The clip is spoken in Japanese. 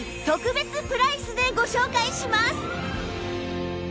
特別プライスでご紹介します